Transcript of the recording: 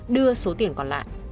đưa số tiền còn lại